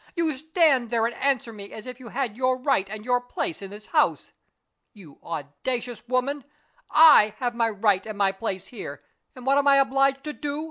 "You stand there and answer me as if you had your right and your place in this house. You audacious woman! I have my right and my place here and what am I obliged to do?